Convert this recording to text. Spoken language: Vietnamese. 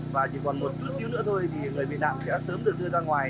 và chỉ còn một chút nữa thôi thì người bị nạn sẽ sớm được đưa ra ngoài